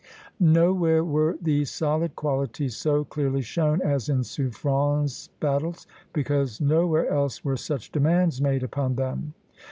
Nowhere were these solid qualities so clearly shown as in Suffren's battles, because nowhere else were such demands made upon them.